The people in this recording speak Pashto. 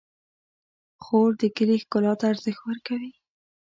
خور د کلي ښکلا ته ارزښت ورکوي.